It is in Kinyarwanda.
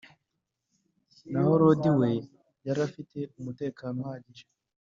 naho lodie we, yari afite umutekano uhagije